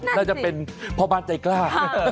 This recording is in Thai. น่าจะเป็นพ่อบ้านใจกล้า